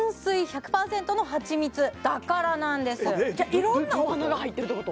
いろんなお花が入ってるってこと？